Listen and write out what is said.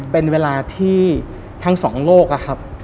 เป็นเวลาที่ทั้งสองโลกอะครับ